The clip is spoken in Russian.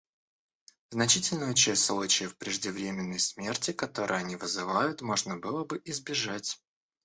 Значительную часть случаев преждевременной смерти, которые они вызывают, можно было бы избежать.